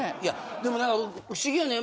でも不思議よね